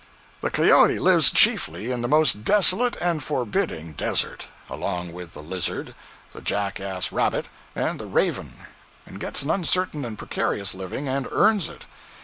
052.jpg (145K) The cayote lives chiefly in the most desolate and forbidding desert, along with the lizard, the jackass rabbit and the raven, and gets an uncertain and precarious living, and earns it.